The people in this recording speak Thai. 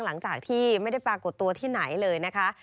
หลังจากที่ไม่ได้ปรากฏตัวที่ไหนเลยนะคะ